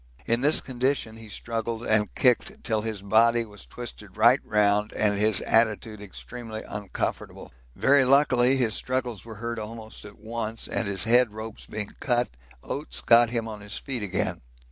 In this condition he struggled and kicked till his body was twisted right round and his attitude extremely uncomfortable. Very luckily his struggles were heard almost at once, and his head ropes being cut, Oates got him on his feet again.